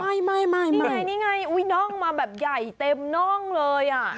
นี่ไงนี่ไงน่องมาแบบใหญ่เต็มน่องเลย